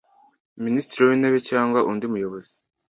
Minisitiri w Intebe cyangwa undi muyobozi